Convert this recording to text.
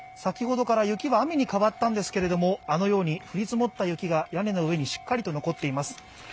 先ほどから雪は雨に変わったんですけど、あのように降り積もった雪が屋根の上にしっかりと残っています。